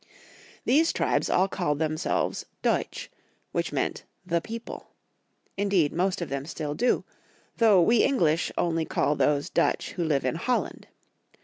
These tribes aU called themselves Deutsche which meant the people ; indeed, most of them do so still, though we English only call those Dutch who live in Holland.